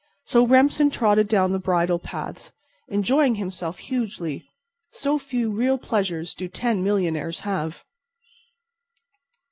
So Remsen trotted down the bridle paths, enjoying himself hugely, so few real pleasures do ten millionaires have.